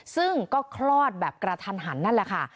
ซึ่งก็คลอดแบบกระทันหันนั่นแหละค่ะ